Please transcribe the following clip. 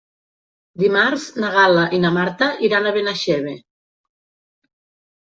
Dimarts na Gal·la i na Marta iran a Benaixeve.